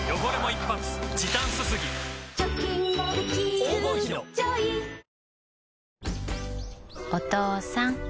お父さん。